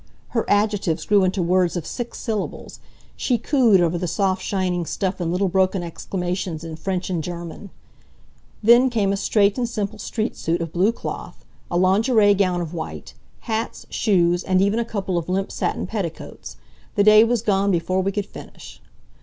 Her adjectives grew into words of six syllables. She cooed over the soft shining stuff in little broken exclamations in French and German. Then came a straight and simple street suit of blue cloth, a lingerie gown of white, hats, shoes and even a couple of limp satin petticoats. The day was gone before we could finish.